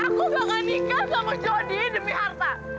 aku bakal nikah sama jodoh demi harta